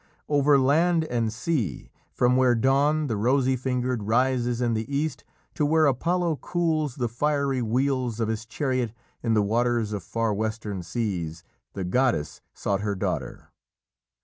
Over land and sea, from where Dawn, the rosy fingered, rises in the East, to where Apollo cools the fiery wheels of his chariot in the waters of far western seas, the goddess sought her daughter.